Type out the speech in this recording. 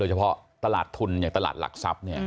เฉพาะตลาดทุนอย่างตลาดหลักทรัพย์